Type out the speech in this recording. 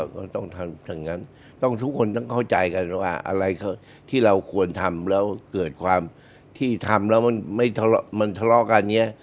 มันต้องทำอย่างนั้นต้องทุกคนต้องเข้าใจกันว่าอะไรที่เราควรทำแล้วเกิดความที่ทำแล้วมันทะเลาะกันเนี่ย